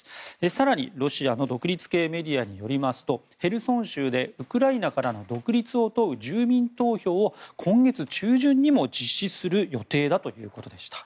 更に、ロシアの独立系メディアによりますとヘルソン州でウクライナからの独立を問う住民投票を今月中旬にも実施する予定だということでした。